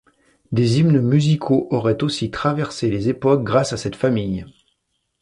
Des hymnes musicaux auraient aussi traversé les époques grâce à cette famille.